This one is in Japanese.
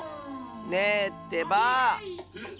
ねえってばあ！